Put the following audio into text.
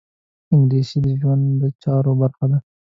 انګلیسي د ژوند د چارو برخه ده